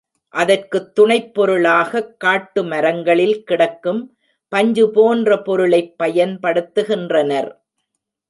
அதற்குத் துணைப் பொருளாகக் காட்டுமரங்களில் கிடைக்கும் பஞ்சு போன்ற பொருளைப் பயன்படுத்துகின்றனர்.